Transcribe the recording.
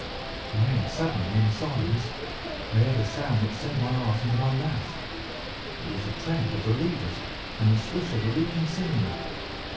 "And then suddenly in the silence I heard a sound which sent my heart into my mouth. It was the clank of the levers and the swish of the leaking cylinder.